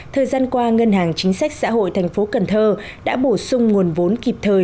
thời gian qua ngân hàng chính sách xã hội tp cnh đã bổ sung nguồn vốn kịp thời